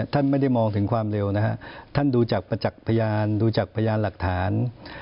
ท่านไม่ได้มองถึงความเร็วนะฮะท่านดูจากประจักษ์พยานดูจากพยานหลักฐาน